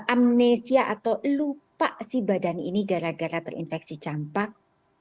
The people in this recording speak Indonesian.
amnesia atau lupa si badan ini gara gara terinfeksi campak